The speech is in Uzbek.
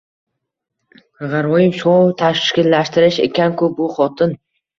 G`aroyib shou tashkillashtirar ekan-ku, bu xotin